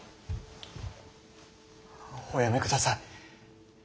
おやめください。